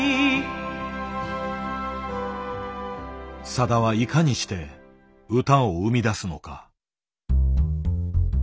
さだはいかにして歌を生み出すのか。